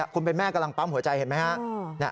คุณเป็นแม่กำลังปั๊มหัวใจเห็นไหมฮะ